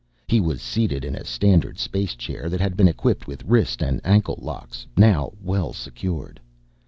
He was seated in a standard spacechair that had been equipped with wrist and ankle locks, now well secured.